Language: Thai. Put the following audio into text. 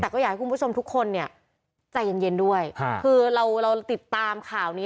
แต่ก็อยากให้คุณผู้ชมทุกคนเนี่ยใจเย็นเย็นด้วยคือเราเราติดตามข่าวนี้